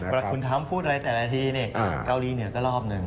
เวลาคุณทำพูดอะไรแต่ละทีเนี่ยเกาหลีเหนือก็รอบหนึ่ง